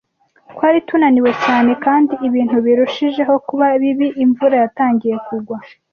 Twari tunaniwe cyane, kandi ibintu birushijeho kuba bibi, imvura yatangiye kugwa.